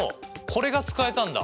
これが使えたんだ。